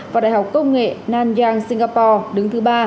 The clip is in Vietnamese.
và đại học công nghệ nanyang singapore đứng thứ ba